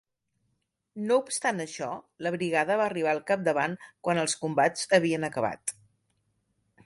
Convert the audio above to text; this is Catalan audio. No obstant això, la brigada va arribar al capdavant quan els combats havien acabat.